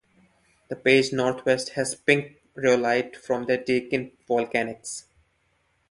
The Page north west has pink rhyolite from the Deakin Volcanics.